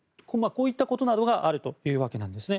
こういったことなどがあるというわけなんです。